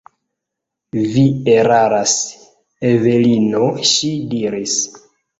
Vi eraras, Evelino, ŝi diris.